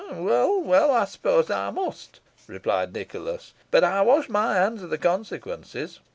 "Well, well, I suppose I must," replied Nicholas, "but I wash my hands of the consequences.